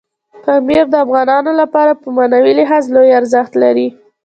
پامیر د افغانانو لپاره په معنوي لحاظ لوی ارزښت لري.